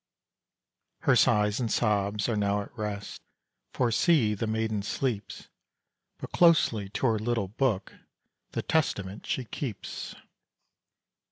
Her sighs and sobs are now at rest, For see! the maiden sleeps; But closely to her little book, The Testament, she keeps.